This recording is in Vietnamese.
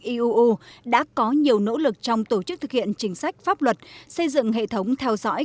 iuu đã có nhiều nỗ lực trong tổ chức thực hiện chính sách pháp luật xây dựng hệ thống theo dõi